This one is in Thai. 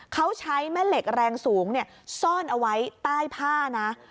เขาใช้แม่เหล็กแรงสูงซ่อนเอาไว้ใต้ผ้านะ